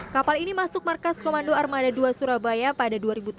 kapal ini masuk markas komando armada dua surabaya pada dua ribu tiga belas